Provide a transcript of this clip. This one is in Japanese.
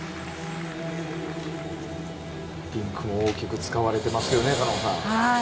リンクも大きく使ってますね。